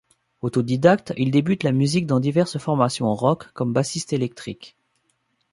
Autodidacte, il débute la musique dans diverses formations rock comme bassiste électrique.